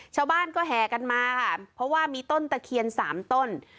ชาวบ้านก็แห่กันมาค่ะเพราะว่ามีต้นตะเคียนสามต้น